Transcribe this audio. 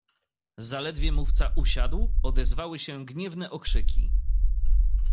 "Zaledwie mówca usiadł odezwały się gniewne okrzyki."